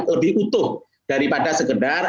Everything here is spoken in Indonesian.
lebih utuh daripada sekedar